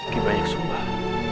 ki banyak sembah